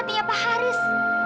tante ini apa haris